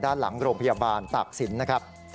ด้านหลังโรงพยาบาลตากศิลป์นะครับ